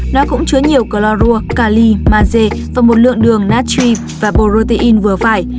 nước dừa cũng chứa nhiều chlorura kali maze và một lượng đường natri và protein vừa phải